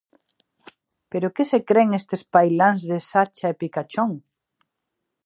Pero que se cren estes pailáns de sacha e picachón!